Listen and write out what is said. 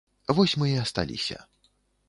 Вось мы і асталіся.